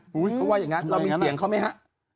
เขาว่าอย่างนั้นเรามีเสียงเขาไหมฮะ